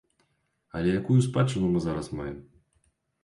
Але якую спадчыну мы зараз маем?